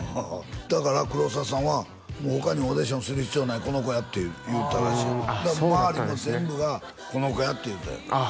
だから黒沢さんは他にオーディションする必要ないこの子やって言うたらしい周りも全部がこの子やって言うたよああ